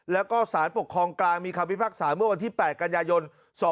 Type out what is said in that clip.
แล้วก็สารปกครองกลางมีคำพิพากษาเมื่อวันที่๘กันยายน๒๕๖